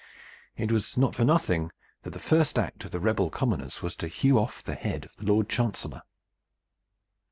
It was not for nothing that the first act of the rebel commoners was to hew off the head of the Lord Chancellor.